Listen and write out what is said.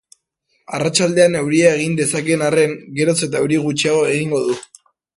Arratsaldean, euria egin dezakeen arren, geroz eta euri gutxiago egingo du.